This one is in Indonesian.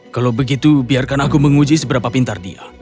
kalau begitu biarkan aku menguji seberapa pintar dia